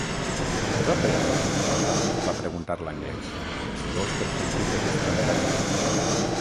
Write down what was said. "Has après alguna cosa?", va preguntar l'anglès, ansiós per sentir de què es tractaria.